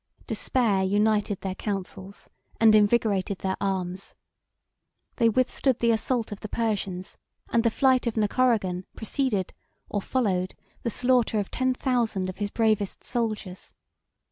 Despair united their counsels and invigorated their arms: they withstood the assault of the Persians and the flight of Nacoragan preceded or followed the slaughter of ten thousand of his bravest soldiers.